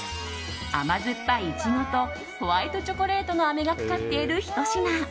甘酸っぱいイチゴとホワイトチョコレートのあめがかかっているひと品。